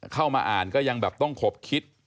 เข้ามาอ่านก็ยังแบบต้องขบคิด